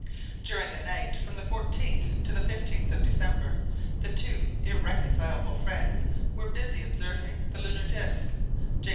During the night, from the 14th to the 15th of December, the two irreconcilable friends were busy observing the lunar disc, J.